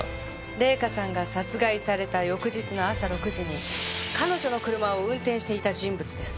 礼香さんが殺害された翌日の朝６時に彼女の車を運転していた人物です。